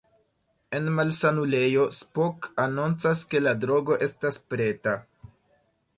En malsanulejo, Spock anoncas, ke la drogo estas preta.